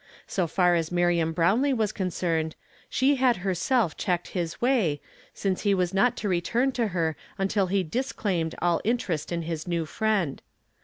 So far as Miriam Brownlee was concerned, she had hei self checked his way, since he was not to return to her until he disclaimed all interest in his new iriend.